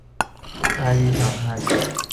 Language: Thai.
อารีย์สัมพันธ์